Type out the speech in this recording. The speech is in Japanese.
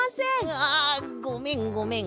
ああごめんごめん。